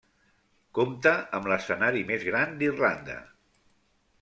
Compta amb l'escenari més gran d'Irlanda.